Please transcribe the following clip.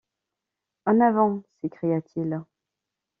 En avant! s’écria-t-il.